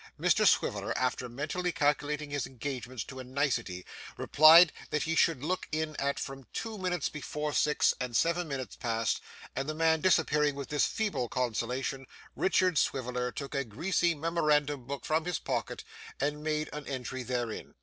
Mr Swiveller, after mentally calculating his engagements to a nicety, replied that he should look in at from two minutes before six and seven minutes past; and the man disappearing with this feeble consolation, Richard Swiveller took a greasy memorandum book from his pocket and made an entry therein.